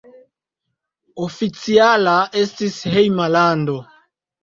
Oficiala estis hejma lando.